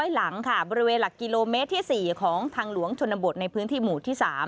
หลังค่ะบริเวณหลักกิโลเมตรที่๔ของทางหลวงชนบทในพื้นที่หมู่ที่๓